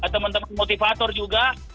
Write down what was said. teman teman motivator juga